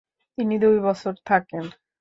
তিনি দুই বছর থাকেন।